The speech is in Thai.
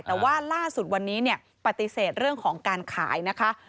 แต่ว่าล่าสุดวันนี้ปฏิเสธเรื่องของการขายนะคะ